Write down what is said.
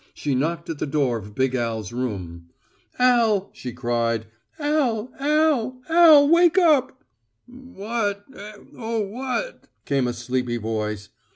She knocked at the door of big Al's room. "Al," she cried, "Al, Al, Al wake up." "What eh, oh, what?" came a sleepy voice.